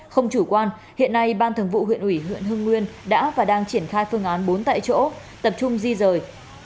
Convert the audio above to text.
không chủ quan hiện nay ban thường vụ huyện ủy huyện hưng nguyên đã và đang triển khai phương án bốn tại chỗ tập trung di rời